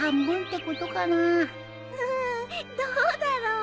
うんどうだろう。